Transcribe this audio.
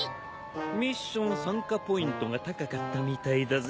・ミッション参加ポイントが高かったみたいだぜ